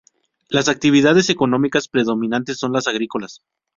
Las actividades económicas predominantes son las agrícolas.